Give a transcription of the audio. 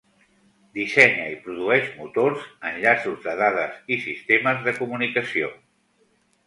Dissenya i produeix motors, enllaços de dades i sistemes de comunicació.